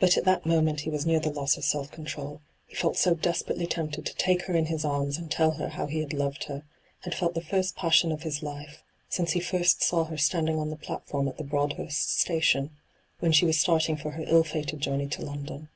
But at that moment he was near the loss of self control ; he felt so desperately tempted to take her iu his arma hyGoogIc ENTRAPPED 243 and tell her how he had loved her, had felt the first passioa of his life, since he firat saw her standing on the platform at the Broadhurst station when she was starting for her ill fated journey to London.